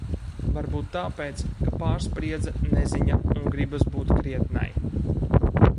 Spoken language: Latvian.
Varbūt tāpēc, ka pārspriedze, neziņa un gribas būt krietnai.